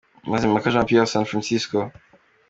Mazimpaka Jean Pierre - San Francisco.